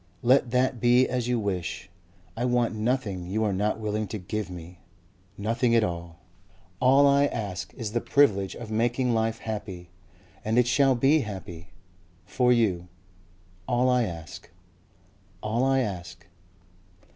Let that be as you wish. I want nothing you are not willing to give me, nothing at all. All I ask is the privilege of making life happy and it shall be happy for you.... All I ask. All I ask.